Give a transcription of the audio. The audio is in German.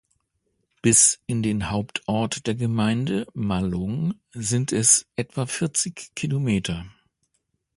Bis in den Hauptort der Gemeinde (Malung) sind es etwa vierzig Kilometer.